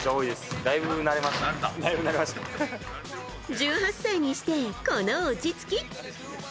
１８歳にして、この落ち着き。